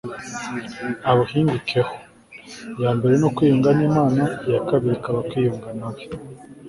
abuhingukeho. iya mbere ni ukwiyunga n'imana, iya kabiri ikaba kwiyunga nawe